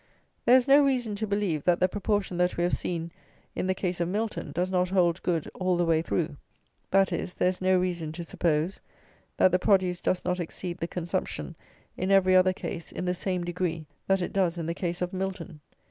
There is no reason to believe, that the proportion that we have seen in the case of Milton does not hold good all the way through; that is, there is no reason to suppose, that the produce does not exceed the consumption in every other case in the same degree that it does in the case of Milton.